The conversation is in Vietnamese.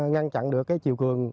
ngăn chặn được chiều cường